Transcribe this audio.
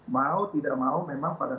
mau tidak mau memang pada